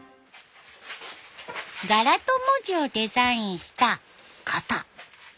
柄と文字をデザインした型。